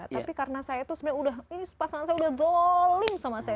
tapi karena saya tuh sebenarnya udah ini pasangan saya udah dolim sama saya